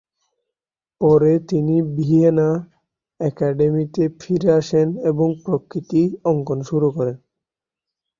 পরে তিনি ভিয়েনা অ্যাকাডেমিতে ফিরে আসেন এবং প্রতিকৃতি অঙ্কন শুরু করেন।